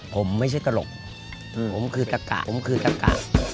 ผมไม่ใช่ตลกผมคือตะกะ